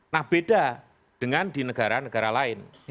nah beda dengan di negara negara lain